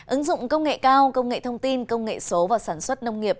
ứng dụng công nghệ cao công nghệ thông tin công nghệ số và sản xuất nông nghiệp